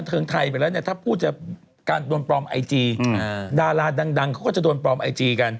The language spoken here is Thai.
ถ้าพูดจนการโดนปลอมไอจีอืมน่าราดังดังเขาก็จะโดนปลอมไอจีกัน